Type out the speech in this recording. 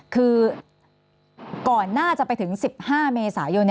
คือก่อนหน้าจะไปถึง๑๕เมษายน